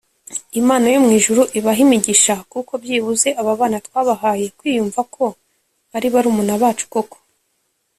Imana yo mu ijuru ibahe imigisha kuko byibuze aba bana twabahaye kwiyumva ko ari barumuna bacu koko